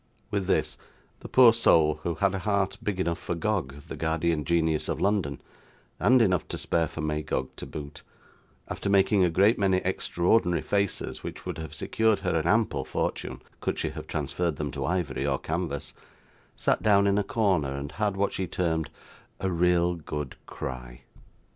With this, the poor soul, who had a heart big enough for Gog, the guardian genius of London, and enough to spare for Magog to boot, after making a great many extraordinary faces which would have secured her an ample fortune, could she have transferred them to ivory or canvas, sat down in a corner, and had what she termed 'a real good cry.